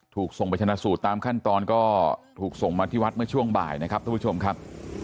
ถูกส่งไปชนะสูตรตามขั้นตอนก็ถูกส่งมาที่วัดเมื่อช่วงบ่ายนะครับทุกผู้ชมครับ